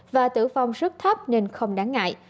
và tử vong rất thấp nên không đáng ngại